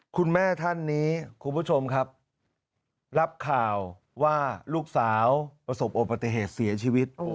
คุณแม่ท่านนี้คุณผู้ชมครับรับข่าวว่าลูกสาวประสบโอปติเหตุเสียชีวิต